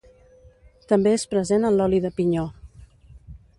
També és present en l'oli de pinyó.